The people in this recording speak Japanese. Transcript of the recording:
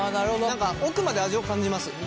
何か奥まで味を感じます。